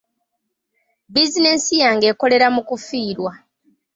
Bizinensi yange ekolera mu kufiirwa.